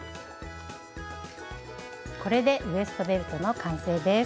これでウエストベルトの完成です。